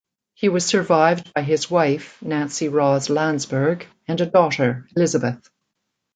He was survived by his wife Nancy Ross Landesberg and a daughter Elizabeth.